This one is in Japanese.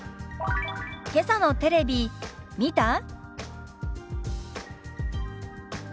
「けさのテレビ見た？」。